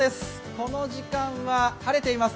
この時間は晴れています。